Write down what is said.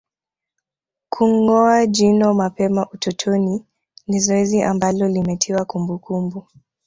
Kungoa jino mapema utotoni ni zoezi ambalo limetiwa kumbukumbu